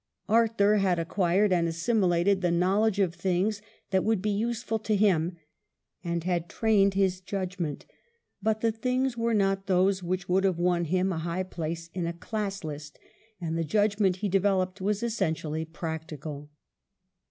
Arthur had acquired and assimi lated the knowledge of things that would be useful to him, and had trained his judgment; but the things were not those which would have won him a high place in a class list, and the judgment he developed was essentially practical.